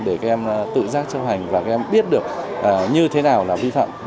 để các em tự giác chấp hành và các em biết được như thế nào là vi phạm